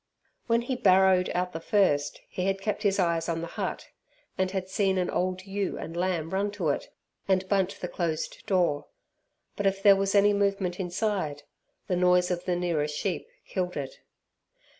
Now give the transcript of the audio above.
When he "barrowed" out the first, he had kept his eyes on the hut, and had seen an old ewe and lamb run to it and bunt the closed door. But if there was any movement inside, the noise of the nearer sheep killed it.